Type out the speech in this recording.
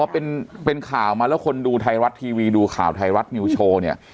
เป็นข่าวมาแล้วคนดูไทยรัฐทีวีดูข่าวไทยรัฐนิวโชว์เนี่ย